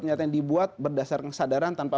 nyata yang dibuat berdasarkan kesadaran tanpa